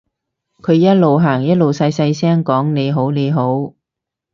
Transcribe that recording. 佢一路行一路細細聲講你好你好